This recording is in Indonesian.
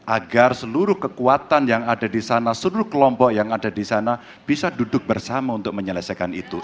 agar seluruh kekuatan yang ada di sana seluruh kelompok yang ada di sana bisa duduk bersama untuk menyelesaikan itu